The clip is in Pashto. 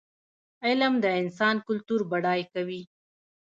علم د انسان کلتور بډای کوي.